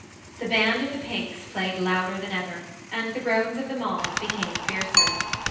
The band of the Pinks played louder than ever^ and ' the groans of the mob became fiercer.